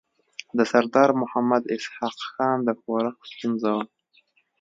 د سردار محمد اسحق خان د ښورښ ستونزه وه.